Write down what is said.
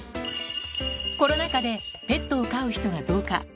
コロナ禍でペットを飼う人が増加。